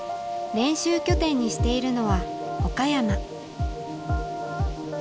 練習拠点にしているのは岡山。